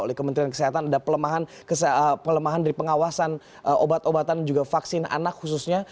oleh kementerian kesehatan ada pelemahan dari pengawasan obat obatan juga vaksin anak khususnya